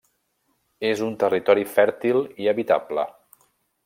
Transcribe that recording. És un territori fèrtil i habitable.